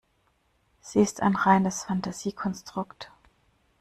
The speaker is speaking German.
Sie ist ein reines Fantasiekonstrukt.